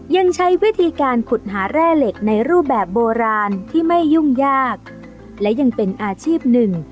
ยังใช้วิธีการขุดหาแร่เหล็กในรูปแบบโบราณที่ไม่ยุ่งยากและยังเป็นอาชีพหนึ่ง